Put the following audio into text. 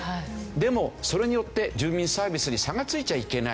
でもそれによって住民サービスに差がついちゃいけない。